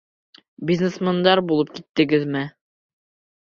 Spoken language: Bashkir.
Бизнесмендар булып киттегеҙме?